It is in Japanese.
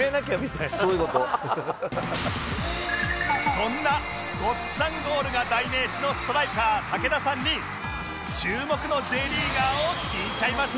そんなごっつぁんゴールが代名詞のストライカー武田さんに注目の Ｊ リーガーを聞いちゃいました！